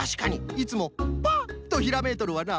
いつもパッとひらめいとるわな。